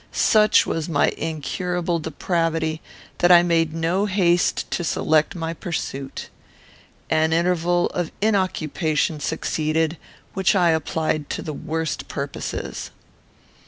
Such was my incurable depravity, that I made no haste to select my pursuit. An interval of inoccupation succeeded, which I applied to the worst purposes.